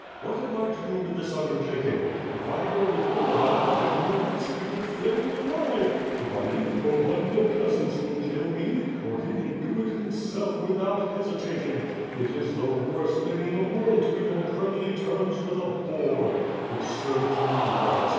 What have 1 to do with this undertaking? If I go with Bohun, Vishnyovyetski will flay me alive; if I leave Bohun, the peasants will kill me, or he will do it him self, without hesitating. It is the worst thing in the world to be on friendly terms with a boor. It serves me right.